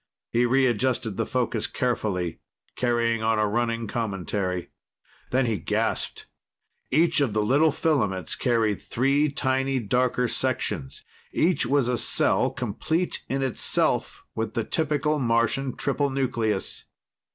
He readjusted the focus carefully, carrying on a running commentary. Then he gasped. Each of the little filaments carried three tiny darker sections; each was a cell, complete in itself, with the typical Martian triple nucleus.